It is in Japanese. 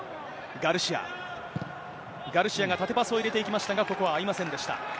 ガルシアが縦パスを入れていきましたが、ここは合いま